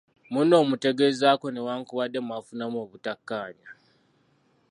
Munno omutegezaako newankubadde mwafunamu obutakkaanya.